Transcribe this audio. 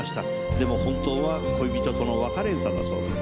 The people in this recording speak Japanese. でも本当は恋人との別れ歌だそうです。